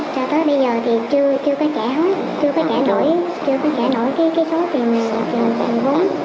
sau tới bây giờ thì chưa có trả hết chưa có trả nổi cái số tiền vốn